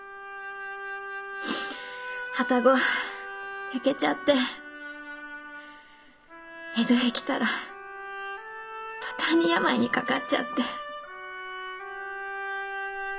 旅籠焼けちゃって江戸へ来たら途端に病にかかっちゃって。